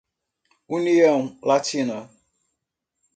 União Latina